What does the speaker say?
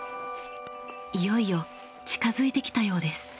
いよいよ近づいてきたようです。